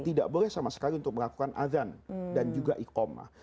tidak boleh sama sekali untuk melakukan azan dan juga ikomah